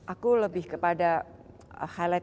aku lebih kepada highlight